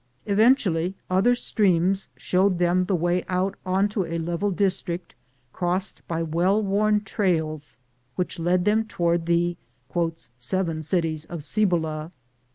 Eventually other streams showed them the way out on to a level district crossed by well worn trails which led them toward the "Seven Cities of Cibola."